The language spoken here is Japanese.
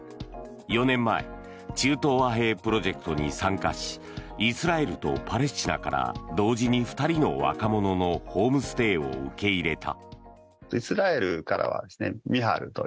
４年前中東和平プロジェクトに参加しイスラエルとパレスチナから同時に２人の若者のホームステイを受け入れた。